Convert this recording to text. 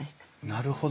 なるほど。